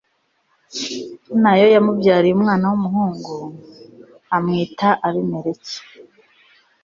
na yo yamubyariye umwana w'umuhungu, amwita abimeleki